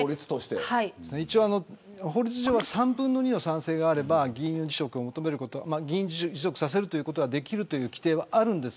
一応、法律上は３分の２の賛成があれば議員辞職を求めること議員辞職させることができる規定はあります。